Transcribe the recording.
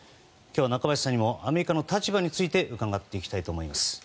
今日は中林さんにもアメリカの立場について伺っていきたいと思います。